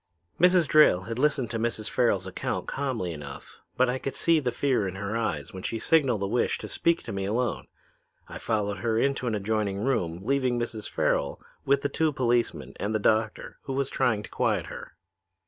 "Mrs. Drayle had listened to Mrs. Farrel's account calmly enough, but I could see the fear in her eyes when she signaled a wish to speak to me alone. I followed her into an adjoining room, leaving Mrs. Farrel with the two policemen and the doctor, who was trying to quiet her.